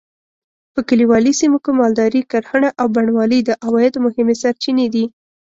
په کلیوالي سیمو کې مالداري؛ کرهڼه او بڼوالي د عوایدو مهمې سرچینې دي.